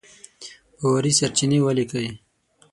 باوري سرچينې وليکئ!.